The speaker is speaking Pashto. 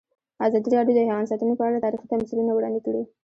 ازادي راډیو د حیوان ساتنه په اړه تاریخي تمثیلونه وړاندې کړي.